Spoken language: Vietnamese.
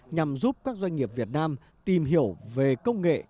nhằm giúp các doanh nghiệp việt nam tìm hiểu về công nghệ